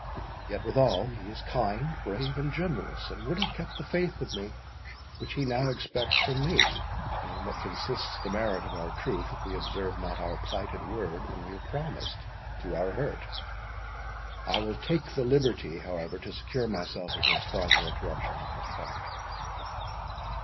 —Yet, withal, he is kind, brave, and generous, and would have kept the faith with me which he now expects from me; and in what consists the merit of our truth, if we observe not our plighted word when we have promised, to our hurt? I will take the liberty, however, to secure myself against farther interruption on his part."